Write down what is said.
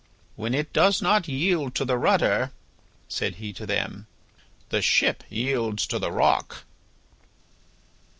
"When it does not yield to the rudder," said he to them, "the ship yields to the rock."